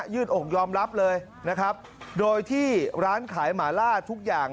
ืดอกยอมรับเลยนะครับโดยที่ร้านขายหมาล่าทุกอย่าง